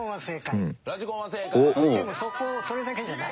でもそれだけじゃない。